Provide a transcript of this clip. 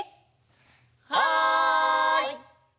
はい！